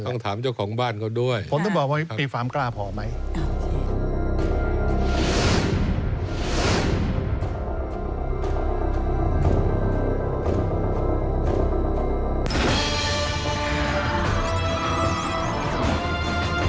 ถึงตอนนั้นสังคมจะยอมเหรออเรนนี่ต้องถามเจ้าของบ้านด้วย